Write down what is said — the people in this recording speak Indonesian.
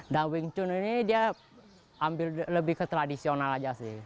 dan wing chun ini dia lebih ke tradisional aja sih